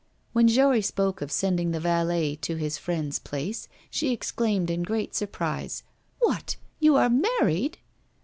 When Jory spoke of sending the valet to his friend's place, she exclaimed in great surprise: 'What! you are married?